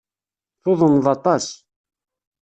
Tuḍneḍ aṭas.